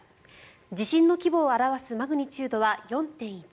地震の規模を表すマグニチュードは４．１